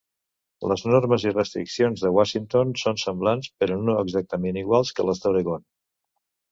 Les normes i restriccions de Washington són semblants, però no exactament iguals, que les d'Oregon.